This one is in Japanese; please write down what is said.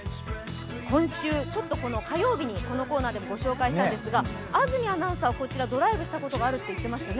今週、火曜日に、このコーナーでも御紹介したんですが安住アナウンサー、こちらドライブしたことがあると言っていました。